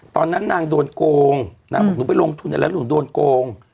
ตอนนั้นนางโดนโกงนางบอกหนูไปลงทุนอะไรแล้วหนูโดนโกง